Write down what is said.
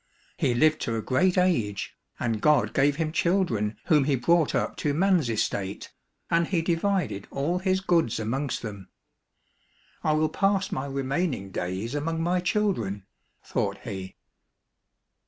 He lived to a great age, and God gave him children whom he brought up to man's estate, and he divided all his goods amongst them. " I will pass my remaining days among my children," thought he.